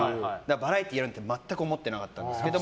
バラエティーやるなんて全く思ってなかったんですけど